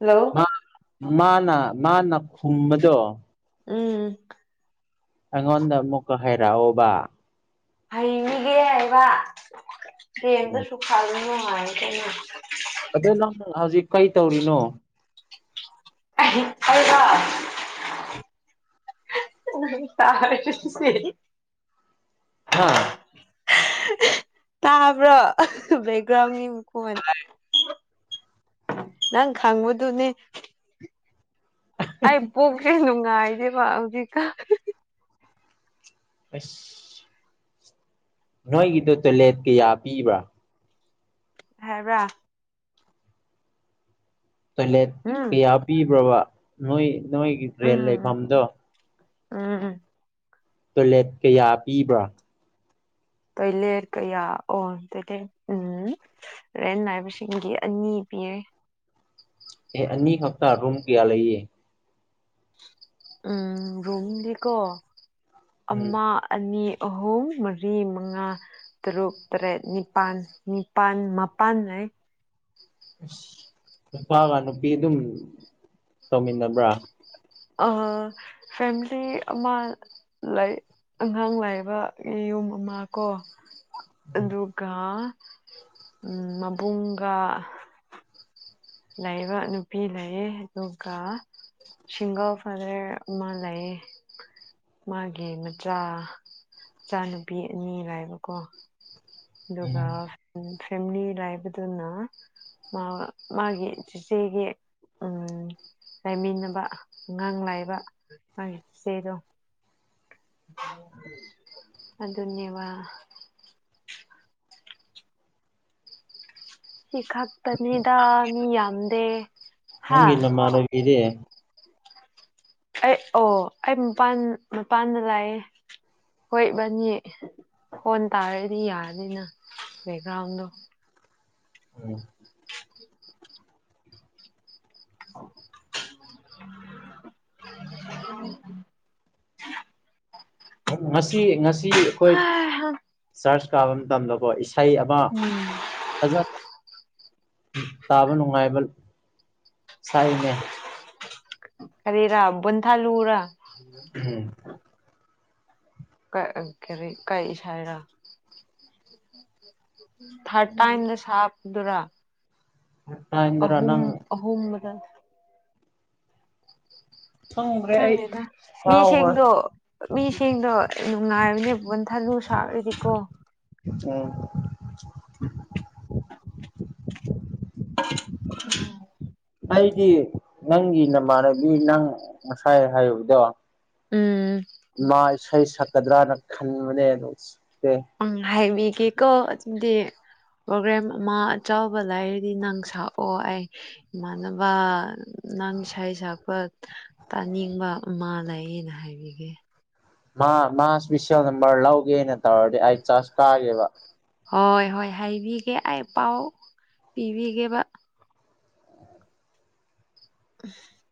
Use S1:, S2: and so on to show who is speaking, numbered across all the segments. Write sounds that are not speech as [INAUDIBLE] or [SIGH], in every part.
S1: Hello
S2: ꯃꯥꯅ ꯃꯥꯅ ꯈꯨꯝꯕꯗꯣ
S1: ꯎꯝ
S2: ꯑꯩꯉꯣꯟꯗ ꯑꯃꯨꯛꯀ ꯍꯥꯏꯔꯛꯑꯣꯕ
S1: ꯍꯩꯅꯤꯒꯦ ꯍꯥꯏꯕ
S2: ꯎꯝ
S1: ꯇ꯭ꯔꯦꯝꯗꯨꯁꯨ ꯈꯥꯏꯗ ꯅꯨꯡꯉꯥꯏꯅꯤ ꯀꯩꯅꯣ
S2: ꯑꯗꯣ ꯅꯪ ꯍꯧꯖꯤꯛ ꯀꯩ ꯇꯧꯔꯤꯅꯣ
S1: [UNINTELLIGIBLE] ꯇꯥꯔ
S2: ꯍꯥꯥ
S1: ꯇꯣ ꯦꯛꯦꯛꯒ꯭ꯔꯥꯎꯟ ꯀꯃ ꯅꯪ ꯈꯪꯕꯗꯨꯅꯦ ꯑꯩ ꯄꯣꯛꯁꯦ ꯅꯨꯡꯉꯥꯏꯗꯦꯕ ꯍꯧꯖꯤꯛꯀ
S2: ꯑꯁ ꯅꯣꯏꯒꯤꯗꯣ ꯇꯣꯏꯂꯦꯠ ꯀꯌꯥ ꯄꯤꯕ꯭ꯔꯥ
S1: ꯍꯥꯏꯦꯕ꯭ꯔ
S2: ꯇꯣꯏꯂꯦꯠ
S1: ꯎꯝ
S2: ꯀꯌꯥ ꯄꯤꯕ꯭ꯔꯕ ꯅꯣꯏ ꯅꯣꯏꯒꯤ ꯇ꯭ꯔꯦꯟ ꯂꯩꯐꯝꯗꯣ
S1: ꯎꯝ ꯎꯝ
S2: ꯇꯣꯏꯂꯦꯠ ꯀꯌꯥ ꯄꯤꯕ꯭ꯔꯥ
S1: ꯇ ꯂꯩꯔ ꯀꯌꯥ ꯑꯣ ꯎꯝ ꯔꯦꯟ ꯅꯥꯏꯕꯁꯤꯡꯒꯤ ꯑꯅꯤ ꯄꯤꯔꯦ
S2: ꯑꯦ ꯑꯅꯤ ꯍꯞꯇꯥ ꯔꯨꯝꯝ ꯀꯌꯥ ꯂꯩꯌꯦ
S1: ꯎꯝ ꯔꯨꯝꯗꯤꯀꯣ
S2: ꯎꯝ
S1: ꯑꯃ ꯑꯅꯤ ꯑꯍꯨꯝ ꯃꯔꯤ ꯃꯉꯥ ꯇꯔꯨꯛ ꯇꯔꯦꯠ ꯅꯤꯄꯥꯜ ꯅꯤꯄꯥꯜ ꯃꯄꯥꯟ ꯍꯥꯏ
S2: ꯑꯁ ꯅꯨꯄꯥꯒ ꯅꯨꯄꯤ ꯑꯗꯨꯝ ꯇꯧꯃꯤꯟꯅꯕ꯭ꯔꯥ
S1: ꯑ ꯐꯦꯃꯤꯂꯤ ꯑꯃ ꯑꯉꯥꯡ ꯂꯥꯏꯕ ꯌꯨꯝ ꯑꯃ ꯀꯣ ꯗꯨꯔꯒꯥ ꯎꯝ ꯃꯕꯨꯡꯒꯥ ꯂꯩꯕ ꯅꯨꯄꯤ ꯂꯩꯌꯦ ꯑꯗꯨꯒ ꯁꯤꯡꯒꯜ ꯐꯔꯦ ꯑꯃ ꯂꯩꯌꯦ ꯃꯥꯒꯤ ꯃꯆꯥ ꯃꯆꯥꯅꯨꯄꯤ ꯑꯅꯤꯔ ꯍꯥꯏꯕꯀꯣ
S2: ꯎꯝ
S1: ꯑꯗꯨꯒ ꯐꯦꯃꯤꯂꯤ ꯂꯩꯕꯗꯨꯅ ꯃꯥ ꯃꯥꯒꯤ ꯆꯤꯆꯦꯒꯤ ꯎꯝ ꯂꯩꯥꯃꯤꯟꯅꯕ ꯑꯉꯥꯡ ꯂꯩꯕ ꯃꯥꯒꯤ ꯆꯤꯆꯦꯗꯣ ꯑꯗꯨꯅꯦꯕ ꯁꯤ ꯈꯛꯇꯅꯤꯗ ꯃꯤ ꯌꯥꯝꯗꯦ ꯍꯥ
S2: ꯄꯤꯔꯦ
S1: ꯑꯩ ꯑꯣ ꯑꯩ ꯃꯄꯥꯟ ꯃꯄꯥꯟꯗ ꯂꯩꯑꯦ ꯍꯣꯏꯕꯅꯤ ꯐꯣꯟ ꯇꯥꯔꯗꯤ ꯌꯥꯔꯅꯤꯅ ꯕꯦꯛꯒ꯭ꯔꯥꯎꯟꯗꯣ
S2: ꯎꯝ [INAUDIBLE]
S1: [UNINTELLIGIBLE]
S2: ꯉꯁꯤ ꯉꯁꯤ ꯑꯩꯈꯣꯏ
S1: ꯎꯝ
S2: ꯆꯔꯆ ꯀꯥꯕ ꯃꯇꯝꯗꯀꯣ ꯏꯁꯩ ꯋꯥ ꯐꯖ ꯇꯥꯕ ꯅꯨꯡꯉꯥꯏꯕ ꯁꯥꯏꯅꯦ
S1: ꯀꯔꯦꯔ ꯕꯨꯟ ꯊꯜꯂꯨꯔ
S2: ꯎꯝ
S1: ꯀ ꯀꯔꯤ ꯀꯩ ꯁꯥꯏꯔꯥ ꯊꯔꯠ ꯇꯥꯏꯝ ꯗ ꯁꯥꯞꯗꯨꯔꯥ
S2: ꯍ [UNINTELLIGIBLE]
S1: ꯑꯍꯨꯝ ꯑꯍꯨꯝꯗ
S2: ꯈꯪꯗ꯭ꯔꯦ ꯑꯩ
S1: ꯀꯪꯗꯦꯅ ꯃꯤ
S2: ꯀꯥꯎꯒ꯭ꯔꯦ
S1: ꯁꯦꯡꯗꯣ ꯃꯤꯁꯤꯡꯗꯣ ꯅꯨꯡꯉꯥꯏꯕꯅꯦ ꯟꯊꯂꯨ [UNINTELLIGIBLE] ꯁꯥꯔꯗꯤꯀꯣ
S2: ꯎꯝ
S1: ꯎꯝ ꯎꯝ [UNINTELLIGIBLE]
S2: ꯑꯩꯗꯤ ꯅꯪꯒꯤ ꯅꯃꯥꯟꯅꯕꯤ ꯅꯪ ꯉꯁꯥꯏ ꯍꯥꯏꯨꯕꯗꯣ
S1: ꯎꯝ
S2: ꯃꯥ ꯏꯁꯩ ꯁꯛꯀꯗ꯭ꯔꯅ ꯈꯟꯕꯅꯦ ꯑꯗꯨꯝ ꯁꯛꯇꯦ
S1: ꯎ ꯍꯥꯏꯕꯤꯒꯦꯀꯣ ꯑꯗꯨꯗꯤ ꯄ꯭ꯔꯣꯒ꯭ꯔꯦꯝ ꯑꯃ ꯑꯆꯧꯕ ꯂꯩꯔꯗꯤ ꯅꯪ ꯁꯛꯑꯣ ꯑꯩ ꯏꯃꯥꯟꯅꯕ ꯅꯪ ꯏꯁꯩ ꯁꯛꯄ ꯇꯥꯅꯤꯡꯕ ꯑꯃ ꯂꯩꯌꯦꯅ ꯍꯥꯏꯕꯤꯒꯦ
S2: ꯃꯥ ꯃꯥ ꯏꯁꯄꯤꯁꯦꯜ ꯅꯝꯕꯔ ꯂꯧꯒꯦꯅ ꯇꯧꯔꯗꯤ ꯑꯩ ꯆꯥꯔꯖ ꯀꯥꯒꯦꯕ
S1: ꯍꯣꯏ ꯍꯣꯏ ꯍꯥꯏꯕꯤꯒꯦ ꯑꯩ ꯄꯥꯎ ꯄꯤꯕꯤꯒꯦꯕ [UNINTELLIGIBLE]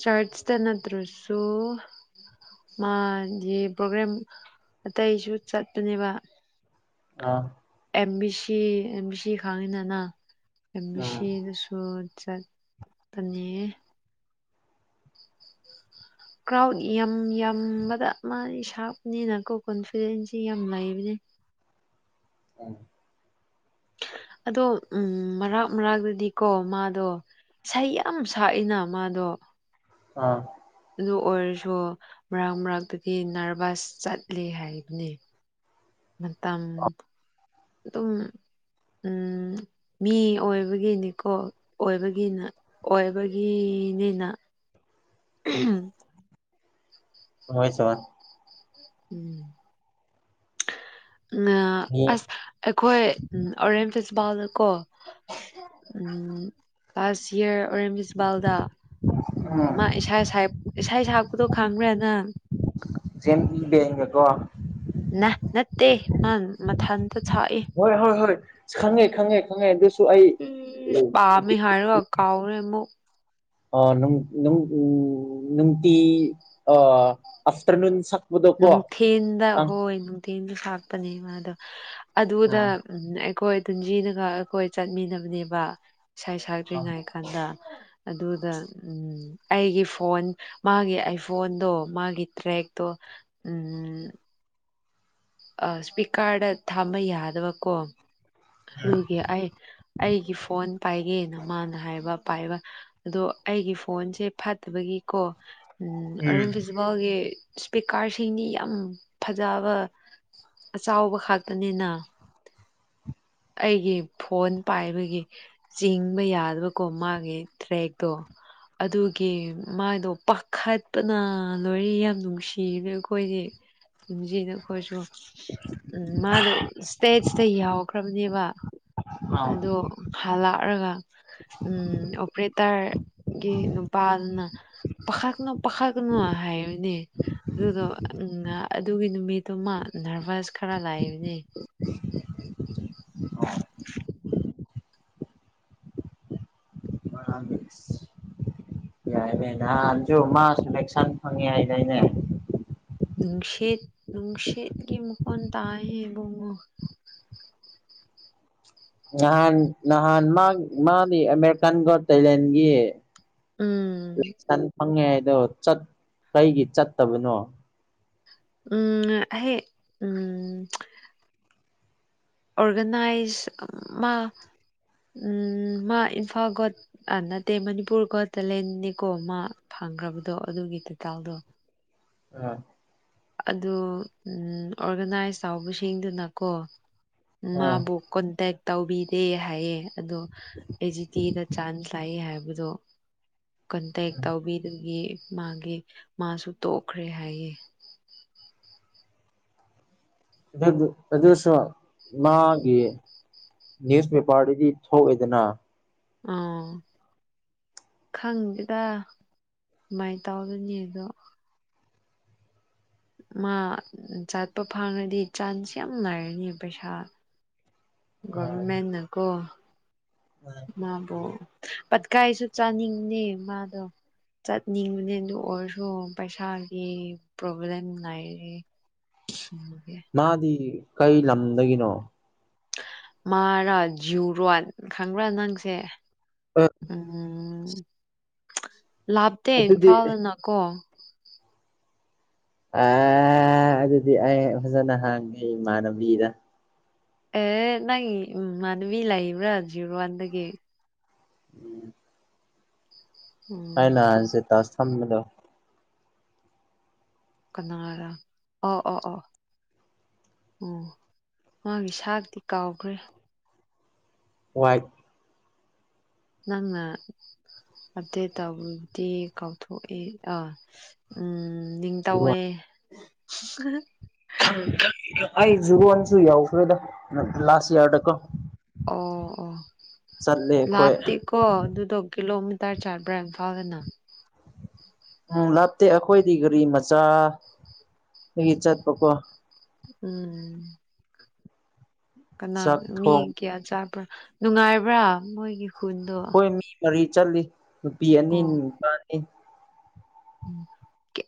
S1: ꯆꯔꯠꯁ ꯇ ꯅꯠꯇ꯭ꯔꯁꯨ ꯃꯥꯗꯤ ꯄ꯭ꯔꯣꯒ꯭ꯔꯥꯝ ꯑꯇꯩꯁꯨ ꯆꯠꯄꯅꯦꯕ
S2: ꯑꯥ
S1: M B C M B C ꯈꯥꯡꯉꯤꯅꯅ ꯑꯦꯝ ꯕꯤ
S2: ꯎꯝ
S1: ꯁꯤꯗꯁꯨ ꯆꯠ ꯑꯅꯤ ꯀ꯭ꯔꯥꯎꯠ ꯌꯥꯝ ꯌꯥꯝꯕꯗ ꯃꯥ ꯁꯥꯕꯅꯤꯅꯀꯣ ꯀꯣꯟꯐꯤꯗꯦꯟꯁꯤ ꯌꯥꯝ ꯂꯩꯕꯅꯤ
S2: ꯎꯝ [UNINTELLIGIBLE]
S1: ꯑꯗꯣ ꯎꯝ ꯃꯔꯛ ꯃꯔꯛꯇꯗꯤꯀꯣ ꯃꯥꯗꯣ ꯏꯁꯩ ꯌꯥꯝ ꯁꯛꯏꯅ ꯃꯥꯗꯣ
S2: ꯑꯥ
S1: ꯑꯗꯨ ꯑꯣꯏꯔꯁꯨ ꯃꯔꯛ ꯃꯔꯛꯇꯒꯤ ꯅꯔꯚꯁ ꯆꯠꯂꯤ ꯍꯥꯏꯕꯅꯤ ꯃꯇꯝ ꯑꯗꯨꯝ ꯎꯝ ꯃꯤ ꯑꯣꯏꯕꯒꯤꯅꯤꯀꯣ ꯑꯣꯏꯕꯒꯤꯅ ꯑꯣꯏꯕꯒꯤꯅꯤꯅ ꯎ [UNINTELLIGIBLE]
S2: ꯍꯣꯏ ꯆꯃ [INAUDIBLE]
S1: ꯎꯝ ꯎꯝ
S2: ꯃꯤ
S1: ꯑꯁ ꯑꯩꯈꯣꯏ ꯎꯝ ꯑꯣꯔꯦꯝ ꯐꯦꯁꯇꯤꯚꯜꯗ ꯀꯣ ꯎꯝ ꯂꯥꯁ ꯌꯔ ꯑꯣꯔꯦꯝ ꯏꯕꯥꯜꯗ ꯎꯝ ꯃꯥ ꯏꯁꯥ ꯏꯁꯥ ꯁꯛꯄꯗꯣ ꯈꯪꯕꯔ ꯅꯪ
S2: [UNINTELLIGIBLE]
S1: ꯅ ꯅꯠꯇꯦ ꯃ ꯃꯊꯟꯇ ꯁꯛꯏ
S2: ꯍꯣꯏ ꯍꯣꯏ ꯍꯣꯏ ꯈꯪꯉꯦ ꯈꯪꯉꯦ ꯈꯪꯉꯦ ꯑꯗꯨꯁꯨ ꯑꯩ
S1: ꯀꯥꯎꯔꯦꯃꯨꯛ
S2: ꯅꯨꯡꯇꯤ ꯑꯐꯇꯔꯅꯨꯟ ꯁꯛꯄꯗꯣꯀꯣ
S1: ꯅꯨꯡꯊꯤꯟꯗ
S2: ꯑꯪ
S1: ꯍꯣꯏ ꯅꯨꯡꯇꯤꯟꯁꯨ ꯁꯥꯛꯄꯅꯦ ꯑꯗꯣ
S2: ꯑ
S1: ꯑꯗꯨꯗ ꯎꯝ ꯑꯩꯈꯣꯏ ꯇꯟꯁꯤꯅꯒ ꯑꯩꯈꯣꯏ ꯆꯠꯃꯤꯟꯅꯕꯅꯦꯕ ꯏꯁꯥ ꯁꯛꯇ꯭ꯔꯤꯉꯩ ꯀꯥꯟꯗ ꯑꯗꯨꯗ ꯎꯝ ꯑꯩꯒꯤ ꯐꯣꯟ ꯃꯥꯒꯤ ꯑꯥꯏꯐꯣꯟꯗꯣ ꯃꯥꯒꯤ ꯇ꯭ꯔꯦꯛꯇꯣ ꯎꯝ ꯑ ꯁꯄꯤꯀꯔꯗꯥ ꯊꯥꯝꯕ ꯌꯥꯗꯕꯀꯣ ꯑꯗꯨꯒꯤ ꯑꯩ ꯑꯩꯒꯤ ꯐꯣꯟ ꯄꯥꯏꯒꯦꯅ ꯃꯥꯅ ꯍꯥꯏꯕ ꯄꯥꯏꯕ ꯑꯗꯣ ꯑꯩꯒꯤ ꯐꯣꯟꯁꯦ ꯐꯠꯇꯕꯒꯤꯀꯣ
S2: ꯎꯝ
S1: ꯑꯔꯟ ꯐꯤꯖꯋꯥꯜꯒꯤ ꯁꯄꯤꯀꯥꯔꯁꯤꯡꯗꯤ ꯌꯥꯝ ꯐꯖꯕ ꯑꯆꯥꯎꯕ ꯈꯛꯇꯅꯤꯅ ꯑꯩꯒꯤ ꯐꯣꯟ ꯄꯥꯏꯕꯒꯤ ꯆꯤꯡꯕ ꯌꯥꯗꯕꯀꯣ ꯃꯥꯒꯤ ꯇ꯭ꯔꯦꯛꯇꯣ꯫ ꯑꯗꯨꯒꯤ ꯃꯥꯗꯣ ꯄꯥꯈꯠꯄꯅ ꯂꯣꯏꯔꯤ ꯌꯥꯝ ꯅꯨꯡꯁꯤꯅ ꯑꯩꯈꯣꯏꯗꯤ꯫ ꯨꯝꯁꯤꯅ ꯑꯩꯈꯣꯏꯁꯨ꯫ ꯎꯝ ꯃꯥꯗꯣ ꯏꯁꯇꯦꯖꯇ ꯌꯥꯎꯈ꯭ꯔꯕꯅꯦꯕ ꯑꯗꯣ ꯍꯥꯜꯂꯛꯂꯒ ꯎ ꯑꯣꯄꯔꯦꯇꯔꯒꯤ ꯅꯨꯄꯥꯗꯨꯅ ꯄꯈꯥꯥꯛꯅꯣ ꯄꯈꯥ ꯀꯅꯣ ꯍꯥꯏꯅꯦ ꯑꯗꯨꯗꯣ ꯎ ꯑꯗꯨꯒꯤ ꯅꯨꯃꯤꯠꯇꯨꯃ ꯅꯔꯚꯁ ꯈꯔ ꯂꯥꯛꯏꯕꯅꯦ
S2: [INAUDIBLE] ꯕꯪꯥꯗꯦꯁ ꯌꯥꯏꯅꯦꯅꯦꯍꯟꯁꯨꯨ ꯃꯥ ꯁꯨꯂꯦꯛꯁꯟ ꯐꯪꯉꯦ ꯍꯥꯏꯗꯅꯦ
S1: ꯅꯨꯡꯁꯤꯠ ꯅꯨꯡꯁꯤꯠꯒꯤ ꯃꯈꯣꯟ ꯇ ꯍꯦꯕꯣꯉꯣ
S2: ꯅꯍꯥꯟ ꯅꯍꯥꯟ ꯃꯥ ꯃꯥꯗꯤ ꯑꯃꯦꯔꯤꯀꯥꯟꯒ ꯇꯥꯏꯂꯦꯟꯒꯤ
S1: ꯎꯝ
S2: ꯐꯪꯉꯦ ꯍꯥꯏꯗꯣ ꯆꯠ ꯀꯩꯒꯤ ꯆꯠꯇꯕꯅꯣ
S1: ꯎꯝ ꯍꯦ ꯎꯝ ꯑꯣꯔꯒꯅꯥꯏꯁ ꯃꯥ ꯃꯥ ꯏꯝꯐꯥꯜ ꯒꯣꯗ ꯑ ꯅꯠꯇꯦ ꯃꯅꯤꯄꯨꯔ ꯒꯣꯠ ꯇꯦꯂꯦꯟꯅꯤꯀꯣ ꯃꯦ ꯐꯪꯈ꯭ꯔꯕꯗꯣ ꯑꯗꯨꯒꯤ ꯇꯦꯇꯜꯗꯣ [UNINTELLIGIBLE]
S2: ꯑ [INAUDIBLE]
S1: ꯑꯗꯨ ꯑꯣꯔꯒꯅꯥꯏꯁ ꯇꯧꯕꯁꯤꯡꯗꯨꯅꯀꯣ ꯃꯥꯕꯨ ꯀꯣꯟꯇꯦꯛ ꯇꯧꯕꯤꯗꯦ ꯍꯥꯏꯌꯦ ꯑꯗꯨ ꯑꯦꯖꯤꯇꯤꯗ ꯆꯥꯟꯁ ꯂꯥꯛꯏ ꯍꯥꯏꯕꯗꯣ ꯀꯟꯇꯦꯛ ꯇꯧꯕꯤꯗꯒꯤ ꯃꯥꯒꯤ ꯃꯥꯁꯨ ꯇꯣꯛꯈ꯭ꯔꯦ ꯍꯥꯏꯌꯦ
S2: ꯑꯗꯨꯁꯣ ꯃꯥꯒꯤ ꯅ꯭ꯌꯨꯁꯄꯦꯄꯥꯔꯗꯗꯤ ꯊꯣꯛꯑꯦꯗꯅ
S1: ꯑꯝ ꯈꯪꯗꯦꯗ ꯀꯃꯥꯏꯅ ꯇꯧꯗꯣꯏꯅꯤ ꯑꯗꯣ ꯃꯥ ꯆꯥꯠꯄ ꯐꯥꯡꯉꯗꯤ ꯆꯥꯟꯁ ꯌꯥꯝ ꯅꯥꯏꯔꯅꯤ ꯄꯩꯁꯥ꯫ ꯒꯣꯔꯔꯃꯦꯟ ꯅꯀꯣ꯫
S2: ꯎꯝ꯫
S1: ꯃꯥꯕꯨ ꯄꯠꯀꯥꯏꯁꯨ ꯆꯥꯅꯤꯡꯉ ꯃꯥꯗꯣ ꯆꯠꯅꯤꯡꯕꯅꯦ ꯑꯗꯨ ꯑꯣꯏꯔꯁꯨ ꯄꯩꯁꯥꯒꯤ ꯄ꯭ꯔꯣꯕ꯭ꯂꯦꯝ ꯂꯩꯔꯤ ꯎꯒ
S2: ꯃꯥꯗꯤ ꯀꯩ ꯂꯝꯗꯒꯤꯅꯣ
S1: ꯃꯥꯔꯥ ꯖꯨꯔꯣꯟ ꯈꯪꯕ꯭ꯔꯥ ꯅꯪꯁꯦ
S2: ꯑ
S1: ꯎꯝ ꯂꯥꯞꯇꯦ
S2: ꯑꯗꯨꯗꯤ
S1: ꯏꯝꯐꯥꯜꯗꯅ ꯀꯣ
S2: ꯑꯦ ꯑꯗꯨꯗꯤ ꯑꯩ ꯐꯖꯅ ꯍꯥꯡꯉꯦ ꯏꯃꯥꯟꯅꯕꯤꯗ
S1: ꯑꯦ ꯅꯪ ꯃꯥꯅꯕꯤ ꯂꯩꯥꯛꯕ꯭ꯔꯥ ꯖꯤꯔꯣ ꯋꯥꯟꯗꯒꯤ
S2: ꯎꯝ
S1: ꯎꯝ
S2: ꯍꯥꯏꯅꯁꯦ ꯇ ꯊꯝꯗ
S1: ꯀꯅꯥ ꯑꯣ ꯑꯣ ꯑꯣ ꯑꯣ ꯃꯥꯒꯤ ꯁꯇꯤ ꯀꯥꯎꯈ꯭ꯔꯦ
S2: ꯋꯥꯏꯠ
S1: ꯅꯪꯅ ꯑꯞꯗꯦꯠ ꯇꯧꯕꯗꯤ ꯀꯥꯎꯊꯣꯛꯏ ꯑꯥ ꯎꯝ ꯂꯡ ꯇꯧꯋꯦ
S2: ꯖꯨꯔꯣꯟ ꯑꯩ ꯖꯨꯟꯁꯨ ꯌꯥꯎꯈ꯭ꯔꯦꯗ ꯂꯥꯁ ꯏꯔꯗꯀꯣ
S1: ꯑꯣ
S2: ꯆꯠꯂꯤꯦ ꯑꯩꯈꯣꯏ
S1: ꯀꯣ ꯑꯗꯨꯗꯣ ꯀꯤꯂꯣ ꯃꯤꯇꯔ ꯆꯥꯄ꯭ꯔꯥꯝ ꯐꯥꯎꯒꯅ
S2: ꯎꯝ ꯂꯥꯞꯇꯦ ꯑꯩꯈꯣꯏꯗꯤ ꯒꯥꯔꯤ ꯃꯆꯥꯗꯒꯤ ꯆꯠꯄꯀꯣ
S1: ꯎꯝ ꯀꯅꯥ
S2: ꯆꯥꯛ
S1: ꯃꯤ
S2: ꯊꯣꯡ
S1: ꯀꯌꯥ ꯆꯥꯕ꯭ꯔꯥ ꯅꯨꯡꯉꯥꯏꯕ꯭ꯔꯥ ꯃꯣꯏꯒꯤ ꯈꯨꯟꯗꯣ
S2: ꯑꯩꯈꯣꯏ ꯃꯤ ꯃꯔꯤ ꯆꯠꯂꯤ ꯅꯨꯄꯤ ꯑꯅꯤ ꯅꯨꯄꯥꯅꯤ
S1: ꯎ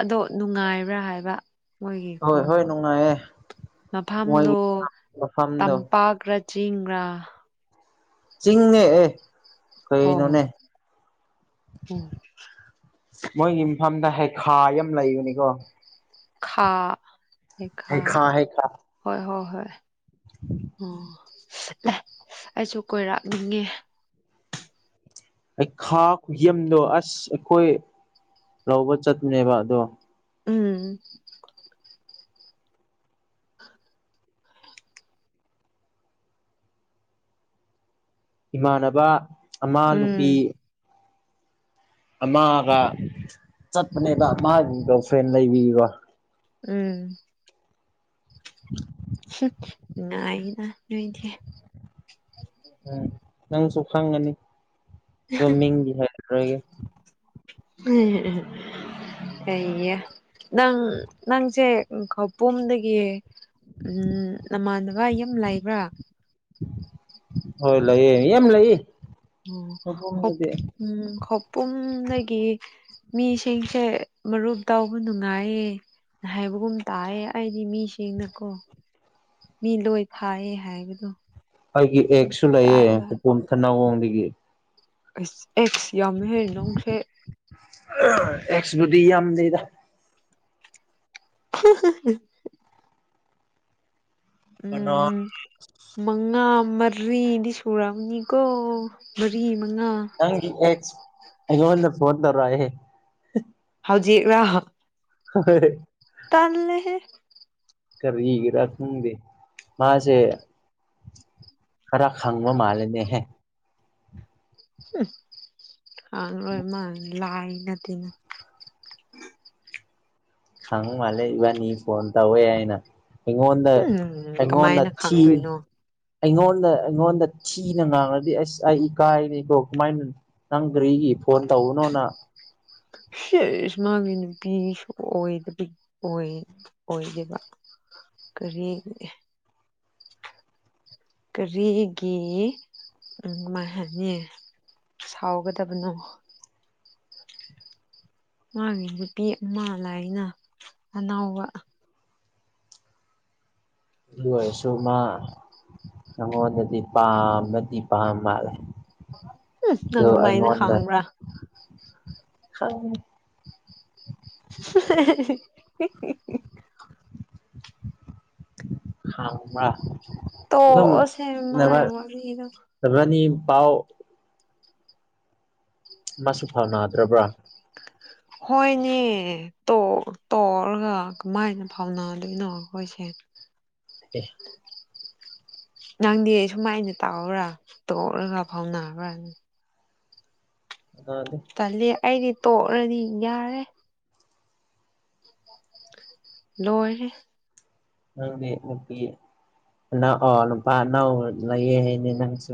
S1: ꯑꯗꯣ ꯅꯨꯡꯉꯥꯏꯕ꯭ꯔꯥ ꯍꯥꯏꯕ ꯃꯣꯏꯒꯤ
S2: ꯍꯣꯏ ꯍꯣꯏ
S1: ꯈꯨꯟꯗꯣ
S2: ꯅꯨꯡꯉꯥꯏꯌꯦ ꯃꯣꯏꯒꯤ
S1: ꯃꯐꯝꯗꯣ
S2: ꯃꯐꯝꯗꯣ
S1: ꯇꯝꯄꯥꯛ ꯔ ꯆꯤꯡꯔꯥ
S2: ꯆꯤꯡꯤꯡꯅꯦ ꯑꯦ
S1: ꯑꯣ
S2: ꯀꯩꯅꯣꯅꯦ
S1: ꯎꯝ
S2: ꯃꯣꯏꯒꯤ ꯃꯐꯝꯗ ꯍꯩꯈꯥ ꯌꯥꯝ ꯂꯩꯕꯅꯤꯀꯣ
S1: ꯈꯥ ꯍꯩꯈꯥ ꯍꯣꯏ ꯍꯣꯏ ꯍꯣꯏ ꯑꯣ ꯑꯦ ꯑꯩꯁꯨ ꯀꯣꯏꯔꯥꯛꯅꯤꯡꯉꯦ
S2: ꯍꯩꯈꯥ ꯈꯨꯌꯝꯗꯣ ꯑꯁ ꯑꯩꯈꯣꯏ ꯂꯧꯕ ꯆꯠꯄꯅꯦꯕ ꯑꯗꯣ
S1: ꯎꯝ [UNINTELLIGIBLE]
S2: ꯏꯃꯥꯟꯅꯕ ꯑꯃ ꯅꯨꯄꯤ
S1: ꯎꯝ
S2: ꯑꯃꯒ ꯆꯠꯄꯅꯦꯕ ꯃꯥꯒꯤ ꯒ ꯐ꯭ꯔꯦꯟ ꯂꯩꯕꯤꯕꯣ
S1: ꯎꯝ
S2: [INAUDIBLE]
S1: ꯉꯥꯏꯅ ꯅꯣꯏꯗꯤꯦ
S2: ꯎꯝ ꯅꯪꯁꯨ ꯈꯪꯉꯅꯤ ꯑꯣ ꯃꯤꯡꯗꯤ ꯍꯥꯏꯔꯗꯔꯒꯦ
S1: ꯎ ꯀꯩꯌꯦ ꯅꯪ ꯅꯪꯁꯦ ꯈꯄꯨꯝꯗꯒꯤ ꯎꯝ ꯅꯃꯥꯟꯅꯕ ꯌꯨꯝ ꯂꯩꯕ꯭ꯔꯥ
S2: ꯍꯣꯏ ꯂꯩꯌꯦ ꯑꯦꯝ ꯂꯩꯏꯌꯦ
S1: ꯑꯣ ꯎꯝ ꯍꯣꯄꯨꯝꯗꯒꯤ ꯃꯤꯁꯤꯡꯁꯦ ꯃꯔꯨꯞ ꯇꯥꯎꯕ ꯅꯨꯡꯉꯥꯏꯌꯦ ꯍꯥꯏꯕꯒꯨꯝ ꯇꯥꯏꯑꯦ ꯑꯩꯗꯤ ꯃꯤꯁꯤꯡꯅꯀꯣ ꯃꯤ ꯂꯣꯏ ꯐꯥꯏꯌꯦ ꯍꯥꯏꯕꯗꯣ
S2: ꯑꯩꯒꯤ ꯑꯦꯛꯁꯨ ꯂꯩꯌꯦ
S1: ꯇꯥꯏꯕ
S2: ꯍꯨꯄꯣꯝ ꯊꯅꯧꯔꯣꯝꯗꯒꯤ
S1: ꯑꯦꯛꯁ ꯌꯥꯝꯃꯦ ꯍꯦ ꯅꯪꯁꯦ
S2: ꯑꯦꯛꯁꯕꯨꯗꯤ ꯌꯥꯝ ꯂꯩꯗ
S1: [UNINTELLIGIBLE] ꯎꯝ
S2: ꯀꯅꯥ
S1: ꯎꯝ ꯃꯉꯥ ꯃꯔꯤꯗꯤ ꯁꯨꯔꯅꯤꯀꯣ ꯃꯔꯤ ꯃꯉꯥ
S2: ꯅꯪꯒꯤ ꯑꯦꯛꯁ ꯑꯩꯉꯣꯟꯗꯥ ꯐꯣꯅ ꯇꯧꯔꯛꯀꯦ ꯍꯦ
S1: ꯍꯧꯖꯤ ꯔꯍ
S2: ꯍꯣꯢ
S1: ꯇꯜꯂꯦꯍꯦ
S2: ꯀꯔꯤꯒꯔ ꯈꯪꯗꯦ ꯃꯥꯁꯦ ꯈꯔ ꯈꯪꯕ ꯃꯥꯂꯦꯅꯦ ꯍꯦ
S1: ꯍꯃ ꯂꯥꯏ ꯅꯥꯇꯦ ꯅ
S2: ꯈꯪ ꯃꯥꯂꯦ ꯏꯕꯅꯤ ꯐꯣꯟ ꯇꯧꯏ ꯍꯥꯢꯅ ꯑꯩꯉꯣꯟꯗ
S1: ꯎꯝ
S2: ꯑꯩꯉꯣꯟꯗ
S1: ꯀꯃꯥꯏꯅ
S2: ꯊꯤ
S1: ꯈꯪꯗꯣꯏꯅꯣ
S2: ꯑꯩꯉꯣꯟꯗ ꯑꯩꯉꯣꯟꯗ ꯊꯤꯅ ꯉꯥꯡꯉꯗꯤ ꯑꯁ ꯑꯩ ꯏꯀꯥꯏꯔꯤꯀꯣ ꯀꯃꯥꯏꯅꯅꯣ ꯅꯪ ꯀꯔꯤꯒꯤ ꯐꯣꯟ ꯇꯧꯕꯅꯣꯅ
S1: ꯏꯁꯃꯥꯒꯤ ꯅꯨꯄꯤꯁꯨ ꯑꯣꯏꯗ ꯑꯣꯏ ꯑꯣꯏꯗꯕ ꯀꯔꯤ ꯀꯔꯤꯒꯤ ꯀꯃꯥꯏꯍꯥꯏꯅꯤ ꯁꯥꯎꯒꯗꯕꯅꯣ ꯃꯥꯒꯤ ꯅꯨꯄꯤ ꯑꯃ ꯂꯥꯏꯅ ꯑꯅꯥꯎꯕ
S2: ꯑꯗꯨ ꯑꯣꯏꯔꯁꯨ ꯃꯥ ꯅꯉꯣꯟꯗꯗꯤ ꯄꯥꯝꯕꯥꯗꯤ ꯄꯥꯝ ꯃꯥꯜꯂꯦ
S1: ꯎꯝ
S2: ꯑꯗꯣ
S1: ꯅꯪ ꯃꯥꯏꯅ
S2: ꯑꯩꯉꯣꯟꯗ
S1: ꯈꯪꯕ꯭ꯔꯥ [INAUDIBLE]
S2: ꯍ [UNINTELLIGIBLE]
S1: ꯇꯣꯁꯦ ꯃꯥ ꯋꯥꯕꯤꯗ
S2: ꯁꯕꯥꯅꯤ ꯄꯥꯎ ꯃꯥꯁꯨ ꯐꯥꯎꯅꯗ꯭ꯔꯕ꯭ꯔꯥ
S1: ꯍꯣꯏꯅꯦ ꯇꯣꯛꯂꯒ ꯀꯃꯥꯏꯅ ꯐꯥꯎꯅꯗꯣꯏꯅꯣ ꯑꯩꯈꯣꯏꯁꯦ
S2: ꯑꯦ
S1: [UNINTELLIGIBLE] ꯅꯪꯗꯤ ꯁꯨꯃꯥꯏꯅ ꯇꯥꯎ꯭ꯔꯥ ꯇꯣꯛꯂꯒ ꯐꯥꯎꯅꯈ꯭ꯔꯥꯅꯤ
S2: ꯑ ꯑꯗꯨ
S1: ꯇꯜꯂꯤ ꯑꯩꯗꯤ ꯇꯣꯛꯂꯗꯤ ꯌꯥꯔꯦ ꯂꯣꯏꯔꯦ
S2: ꯅꯪꯅꯦ ꯅꯨꯄꯤ ꯑꯅ ꯅꯨꯄꯥ ꯑꯅꯧ ꯂꯩꯌꯦ ꯍꯥꯏꯅꯦ ꯅꯪꯁꯨ